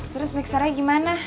terus mixernya gimana